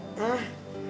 udah siang nih